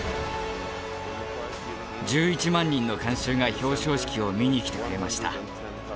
１１万人の観衆が表彰式を見に来てくれました。